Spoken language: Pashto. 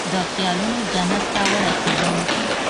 د خیالونوجنت ته ورسیدم